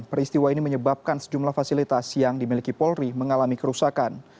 peristiwa ini menyebabkan sejumlah fasilitas yang dimiliki polri mengalami kerusakan